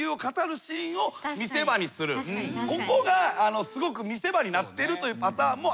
ここがすごく見せ場になってるというパターンもあると。